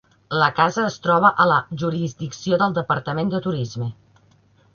La casa es troba a la jurisdicció del Departament de turisme.